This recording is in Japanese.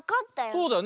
そうだよね。